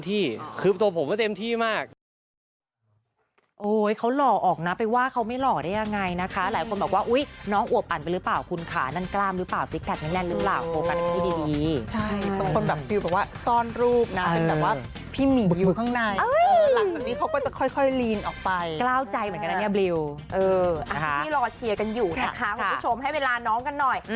ทุกคนเนี่ยทำงานเต็มที่คือตัวผมก็เต็มที่มาก